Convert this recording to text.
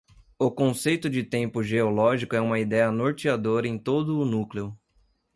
O conceito de tempo geológico é uma ideia norteadora em todo o núcleo.